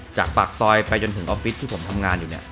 จากปากซอยไปจนถึงออฟฟิศที่ผมทำงานอยู่เนี่ย